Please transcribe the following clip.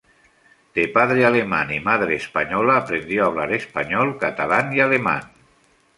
De padre alemán y madre española, aprendió a hablar español, catalán y alemán.